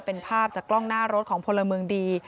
เป็นภาพจากกล้องหน้ารถของพลเมืองดี